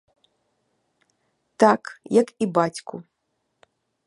Так, як і бацьку.